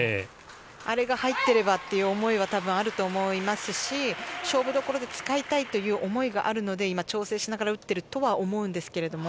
あれが入っていればという思いはあると思いますし、勝負どころで使いたいという思いがあるので調整しながら打っているとは思います。